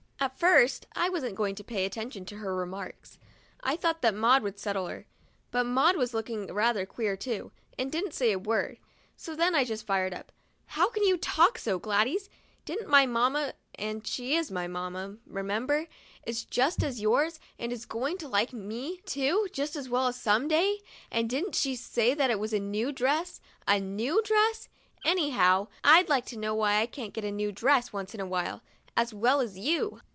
At first I wasn't going to pay any attention to her remarks — I thought that Maud would settle her; but Maud was looking rather queer, too, and didn't say a word ; so then I just fired up. " How can you talk so, Gladys? Didn't my mamma — and she is my mamma, 46 WEDNESDAY— I GET A NEW DRESS remember, just as much as yours, and is going to like me, too, just as well some day — didn't she say that it was a new dress, a new dress?" Anyhow, I'd like to know why I can't get a new dress once in a while as well as you."